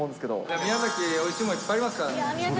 宮崎、おいしいものいっぱいありますからね。